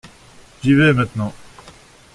J’y vais maintenant.